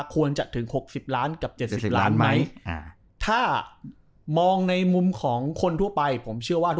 ควรจะถึง๖๐ล้านกับ๗๐ล้านไหมถ้ามองในมุมของคนทั่วไปผมเชื่อว่า